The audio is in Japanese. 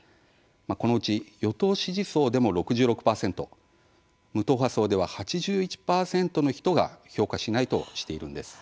このうち与党支持層でも６６％無党派層では８１％の人が「評価しない」としているんです。